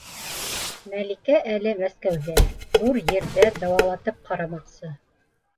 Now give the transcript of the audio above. Мәликә әле Мәскәүҙә, ҙур ерҙә дауалатып ҡарамаҡсы...